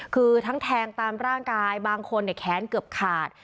คือทั้งแทงตามร่างกายบางคนแค้นเกือบขาด